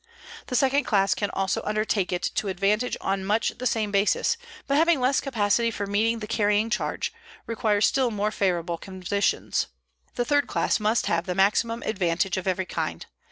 The second class can also undertake it to advantage on much the same basis, but having less capacity for meeting the carrying charge, requires still more favorable conditions. The third class must have the maximum advantage of every kind.